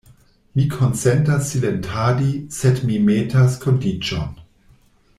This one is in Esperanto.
Mi konsentas silentadi; sed mi metas kondiĉon.